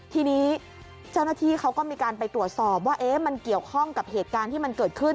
ทีนี้เจ้าหน้าที่เขาก็มีการไปตรวจสอบว่ามันเกี่ยวข้องกับเหตุการณ์ที่มันเกิดขึ้น